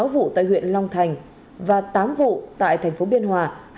một mươi sáu vụ tại huyện long thành và tám vụ tại thành phố biên hòa